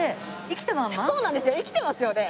生きてますよね。